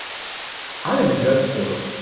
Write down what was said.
I'm in a drugstore.